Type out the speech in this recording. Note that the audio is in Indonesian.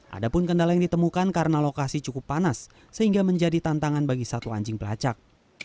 ada pun kendala yang ditemukan karena lokasi cukup panas sehingga menjadi tantangan bagi satu anjing pelacak